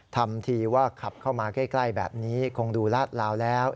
ทำทีว่าขับเข้ามาใกล้แบบนี้คงดูลาดลาวแล้ว